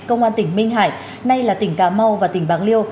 công an tỉnh minh hải nay là tỉnh cà mau và tỉnh bạc liêu